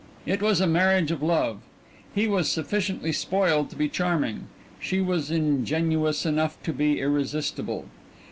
It was a marriage of love. He was sufficiently spoiled to be charming; she was ingenuous enough to be irresistible.